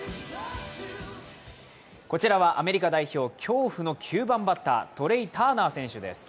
こちらはアメリカ代表、恐怖の９番バッター、トレイ・ターナー選手です。